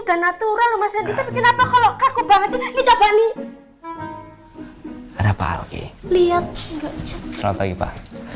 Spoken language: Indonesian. dan natural masyarakat kenapa kalau kaku banget ini coba nih ada apa oke lihat selamat pagi pak